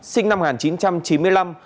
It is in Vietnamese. sinh năm một nghìn chín trăm chín mươi năm